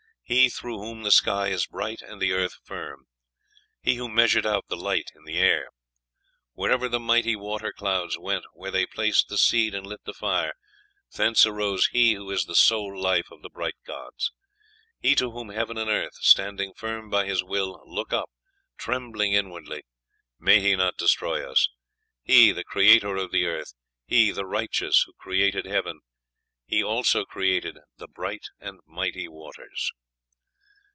He through whom the sky is bright and the earth firm.... He who measured out the light in the air... Wherever the mighty water clouds went, where they placed the seed and lit the fire, thence arose He who is the sole life of the bright gods.... He to whom heaven and earth, standing firm by His will, look up, trembling inwardly.... May he not destroy us; He, the creator of the earth; He, the righteous, who created heaven. He also created the bright and mighty waters."